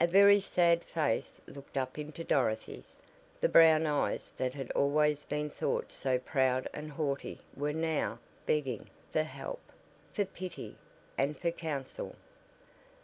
A very sad face looked up into Dorothy's. The brown eyes that had always been thought so proud and haughty were now "begging" for help, for pity, and for counsel.